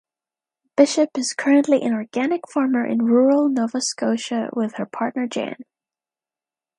Bishop is currently an organic farmer in rural Nova Scotia with her partner Jan.